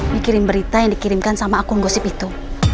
mikirin berita yang dikirimkan sama akun gosip itu